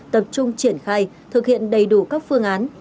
tập trung triển khai thực hiện đầy đủ các phương án